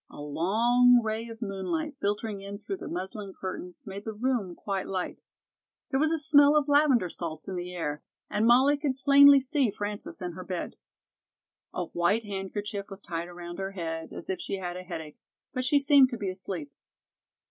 A long ray of moonlight, filtering in through the muslin curtains, made the room quite light. There was a smell of lavender salts in the air, and Mollie could plainly see Frances in her bed. A white handkerchief was tied around her head, as if she had a headache, but she seemed to be asleep.